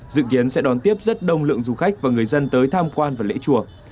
dự kiến sẽ đón tiếp rất đông lượng du khách và người dân tới tham quan và lễ chùa